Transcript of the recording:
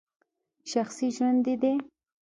شخصي ژوند یې دی !